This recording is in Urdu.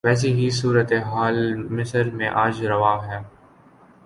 ویسی ہی صورتحال مصر میں آج روا ہے۔